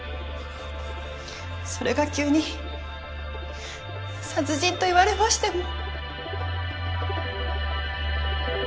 それが急に殺人と言われましても。